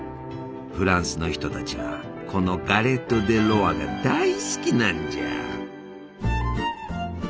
フランスの人たちはこのガレット・デ・ロワが大好きなんじゃ！